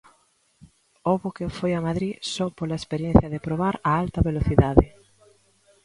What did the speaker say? Houbo quen foi a Madrid só pola experiencia de probar a alta velocidade.